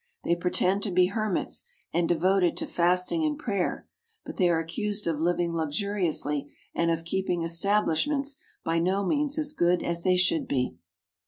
They pretend to be hermits and devoted to fasting and prayer, but they are accused of living luxuriously and of keeping estab lishments by no means as good as they should be.